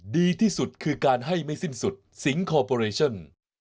ดีที่สุดคือการให้ไม่สิ้นสุดสิงคอร์ปอเรชั่น